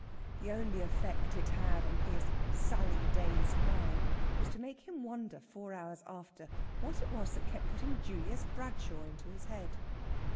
The only effect it had on his Sally dazed mind was to make him wonder four hours after what it was that kept putting Julius Bradshaw into his head.